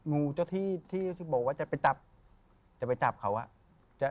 งูเจ้าที่บอกว่าจะไปจับเขา